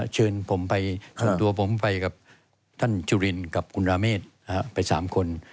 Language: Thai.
เชิญผมไปส่วนตัวผมไปกับท่านจูฬินกับกุณฑาเมษไปสามคน